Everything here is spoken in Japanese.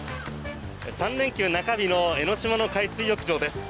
３連休中日の江の島の海水浴場です。